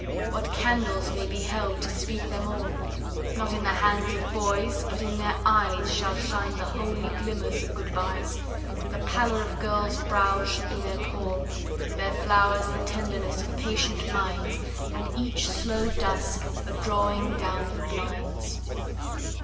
What candles may be held to speed them all? Not in the hands of boys, but in their eyes Shall shine the holy glimmers of good byes. The pallor of girls' brows shall be their pall; Their flowers the tenderness of patient minds, And each slow dusk a drawing down of blinds.